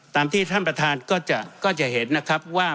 ตามที่ท่านประธานก็จะเห็นนะครับว่า